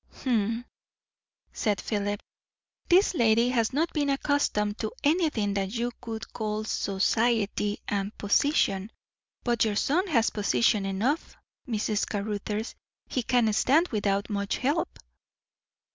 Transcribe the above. "Hm!" said Philip. "This lady has not been accustomed to anything that you would call 'society,' and 'position' But your son has position enough, Mrs. Caruthers. He can stand without much help."